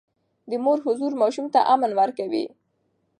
د مور حضور ماشوم ته امن ورکوي.